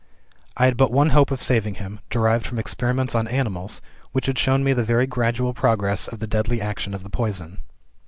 I had but one hope of saving him derived from experiments on animals, which had shown me the very gradual progress of the deadly action of the poison.